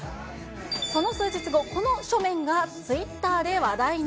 その数日後、その書面がツイッターで話題に。